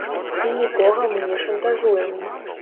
І нікога мы не шантажуем!